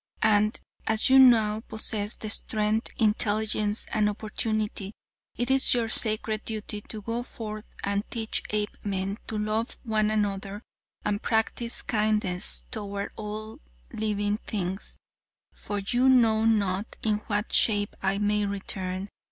And as you now possess the strength, intelligence and opportunity, it is your sacred duty to go forth and teach Apemen to love one another and practice kindness toward all living things, for you know not in what shape I may return.